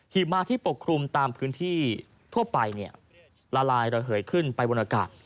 หิมะที่ปกคลุมตามพื้นที่ทั่วไปละลายระเหยขึ้นไปบนอากาศ